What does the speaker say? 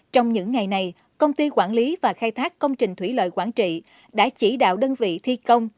trong những ngày này công ty quản lý và khai thác công trình thủy lợi quảng trị đã chỉ đạo đơn vị thi công